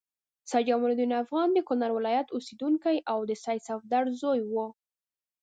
سید جمال الدین افغان د کونړ ولایت اوسیدونکی او د سید صفدر زوی و.